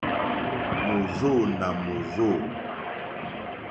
Mòrzô nà mòrzô.